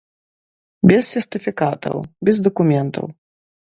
Без сертыфікатаў, без дакументаў.